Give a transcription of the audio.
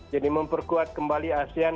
jadi memperkuat kembali asean